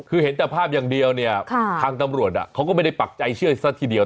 คือเห็นแต่ภาพอย่างเดียวเนี่ยทางตำรวจเขาก็ไม่ได้ปักใจเชื่อซะทีเดียว